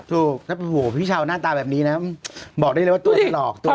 ถูกพี่เช้าหน้าตาแบบนี้นะบอกได้เลยว่าตัวจะหลอกตัวจะหลอก